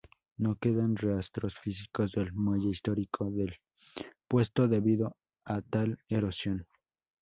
No quedan rastros físicos del muelle histórico del puesto debido a tal erosión.